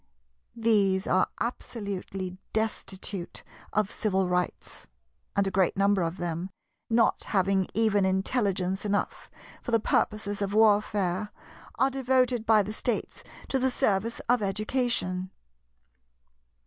These are absolutely destitute of civil rights; and a great number of them, not having even intelligence enough for the purposes of warfare, are devoted by the States to the service of education.